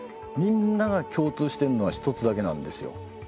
みんなが共通してるのは一つだけなんですよ。